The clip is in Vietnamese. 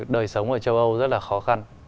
đời sống ở châu âu rất là khó khăn